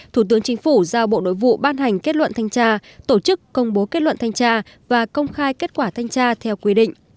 thủ tướng chính phủ giao bộ nội vụ ban hành kết luận thanh tra tổ chức công bố kết luận thanh tra và công khai kết quả thanh tra theo quy định